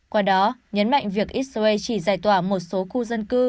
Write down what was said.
qua đó nhấn mạnh việc israel chỉ giải tỏa một số khu dân cư